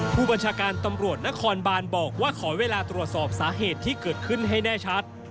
ผู้บัญชาการตำรวจนครบานบอกว่าขอเวลาตรวจสอบสาเหตุที่เกิดขึ้นให้แน่ชัด